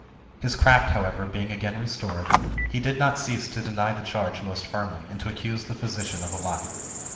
His craft, however, being again restored, he did not cease to deny the charge most fiimly, and to accuse the physician of a lie.